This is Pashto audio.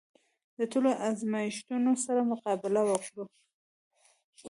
د ټولو ازمېښتونو سره مقابله وکړو.